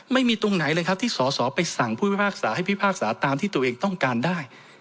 ไม่มีตรงไหนเลยครับที่สอสอไปสั่งผู้พิพากษาให้พิพากษาตามที่ตัวเองต้องการได้